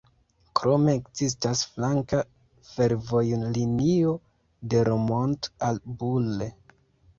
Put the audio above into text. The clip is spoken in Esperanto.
Krome ekzistas flanka fervojlinio de Romont al Bulle.